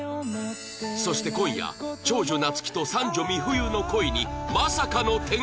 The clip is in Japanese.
そして今夜長女夏希と三女美冬の恋にまさかの展開が！